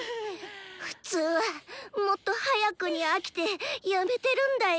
普通はもっと早くに飽きてやめてるんだよ。